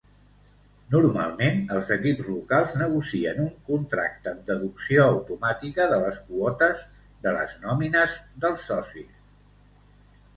Normalment, els equips locals negocien un contracte amb deducció automàtica de les quotes de les nòmines dels socis.